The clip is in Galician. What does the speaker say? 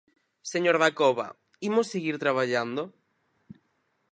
Señor Dacova, ¿imos seguir traballando?